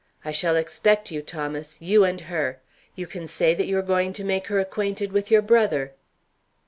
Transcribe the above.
I shall expect you, Thomas; you and her. You can say that you are going to make her acquainted with your brother."